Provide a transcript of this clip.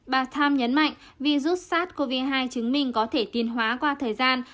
bà tham nhấn mạnh virus sars cov hai chứng minh có thể tiên hóa qua thời gian